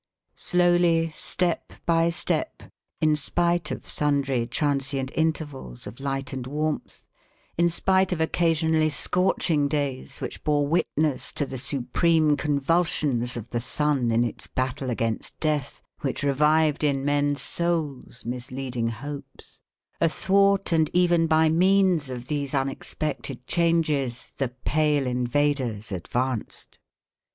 Slowly, step by step, in spite of sundry transient intervals of light and warmth, in spite of occasionally scorching days which bore witness to the supreme convulsions of the sun in its battle against death, which revived in men's souls misleading hopes, athwart and even by means of these unexpected changes the pale invaders advanced.